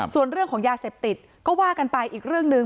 ส่วนเรื่องของยาเสพติดก็ว่ากันไปอีกเรื่องหนึ่ง